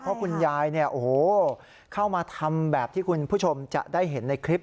เพราะคุณยายเข้ามาทำแบบที่คุณผู้ชมจะได้เห็นในคลิป